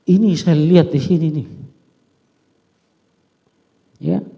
ini saya lihat di sini nih